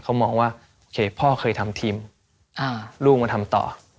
เขามองว่าโอเคพ่อเคยทำทีมลูกมาทำต่อ